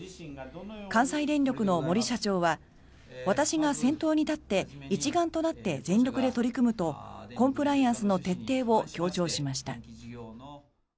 関西電力の森社長は私が先頭に立って、一丸となって全力で取り組むとコンプライアンスの徹底を強調しました。